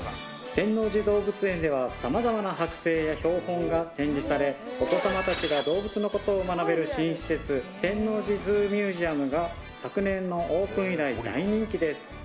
天王寺動物園では様々なはく製や標本が展示されお子様たちが動物のことを学べる新施設てんのうじズーミュージアムが昨年のオープン以来大人気です